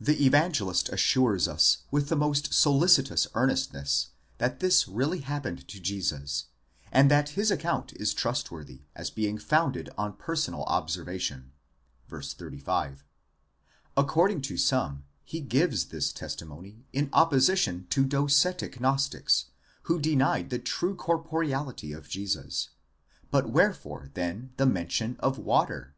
The Evangelist assures us, with the most solicitous earnestness, that this really happened to Jesus, and that his account is trustworthy, as being founded on personal observation (v. 35). According to some, he gives this testimony in opposition to docetic Gnostics, who denied the true corporeality of Jesus:* but wherefore then the mention of the wafer?